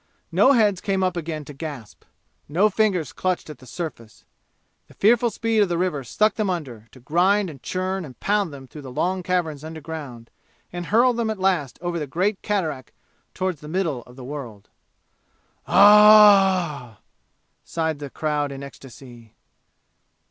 No heads came up again to gasp. No fingers clutched at the surface. The fearful speed of the river sucked them under, to grind and churn and pound them through long caverns underground and hurl them at last over the great cataract toward the middle of the world. "Ah h h h h!" sighed the crowd in ecstasy.